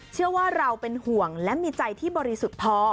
เชื่อว่าเราเป็นห่วงและมีใจที่บริสุทธิ์พอ